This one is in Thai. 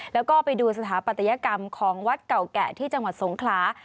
แล้วก็ไปดูสถาปัตยกรรมของวัดเก่าแก่ที่จังหวัดสงขลา